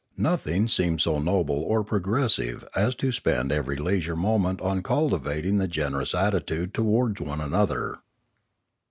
Nothing seemed so noble or progressive as to spend every leisure moment on cultivating the generous attitude towards one another.